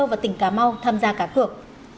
và tỉnh cà mau tham gia cả cược